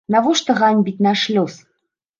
Навошта ганьбіць наш лёс?